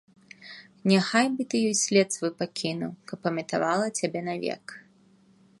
Няхай бы ты ёй след свой пакінуў, каб памятавала цябе навек.